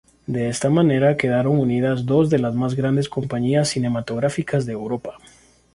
De esta manera quedaron unidas dos de las más grandes compañías cinematográficas de Europa.